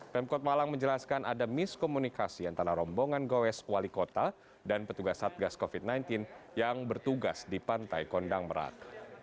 pemkot malang menjelaskan ada miskomunikasi antara rombongan goes wali kota dan petugas satgas covid sembilan belas yang bertugas di pantai kondang merak